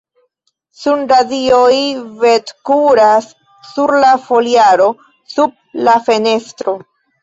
Sunradioj vetkuras sur la foliaro sub la fenestro.